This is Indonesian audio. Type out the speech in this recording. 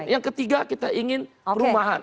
yang ketiga kita ingin perumahan